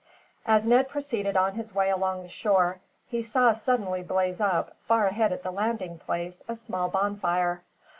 As Ned proceeded on his way along the shore, he saw suddenly blaze up, far ahead at the landing place, a small bonfire.